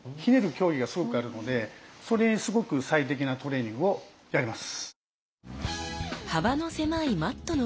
競技がすごくあるのでそれにすごく最適なトレーニングをやります。